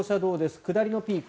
下りのピーク。